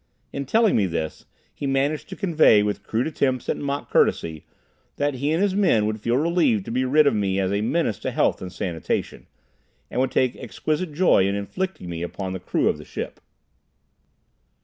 In telling me this, he managed to convey, with crude attempts at mock courtesy, that he and his men would feel relieved to be rid of me as a menace to health and sanitation, and would take exquisite joy in inflicting me upon the crew of the ship.